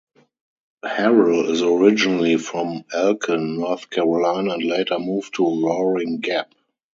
Harrell is originally from Elkin, North Carolina and later moved to Roaring Gap.